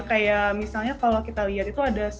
kayak misalnya kalau kita lihat itu ada